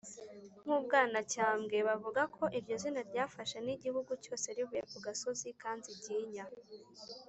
nk’ubwanacyambwe, bavuga ko iryo zina ryafashe n’igihugu cyose rivuye ku gasozi kanziginya